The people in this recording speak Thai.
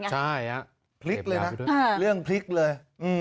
ใช่พลิกเลยนะเรื่องพลิกเลย